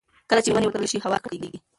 کله چې ونې وکرل شي، هوا نه ککړېږي.